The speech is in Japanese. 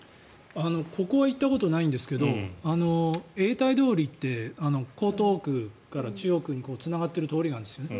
ここは行ったことないんですが永代通りって、江東区から中央区につながっている通りがあるんですね。